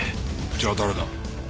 じゃあ誰だ？